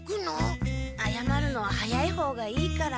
あやまるのは早い方がいいから。